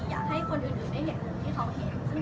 อยากให้คนอื่นได้เห็นกลุ่มที่เขาเห็น